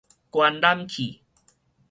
觀覽器